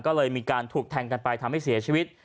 ก็เลยมีการถูกแทงกันไปทำให้เสียชีวิต